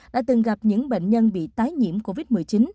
đã từng gặp những bệnh nhân bị tái nhiễm covid một mươi chín